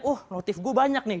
uh notif gue banyak nih